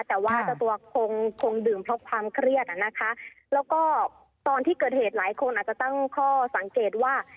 แต่ว่าเจ้าตัวคงคงดื่มเพราะความเครียดอ่ะนะคะแล้วก็ตอนที่เกิดเหตุหลายคนอาจจะตั้งข้อสังเกตว่า